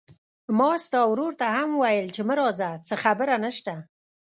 ما ستا ورور ته هم وويل چې ما راځه، څه خبره نشته.